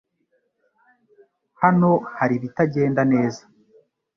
Hano hari ibitagenda neza .